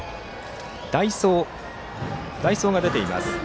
代走が出ています。